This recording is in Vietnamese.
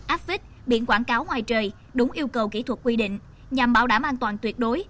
affix biển quảng cáo ngoài trời đúng yêu cầu kỹ thuật quy định nhằm bảo đảm an toàn tuyệt đối